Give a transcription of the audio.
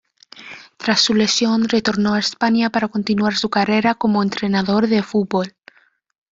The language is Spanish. Tras su lesión, retornó a España, para continuar su carrera como entrenador de fútbol.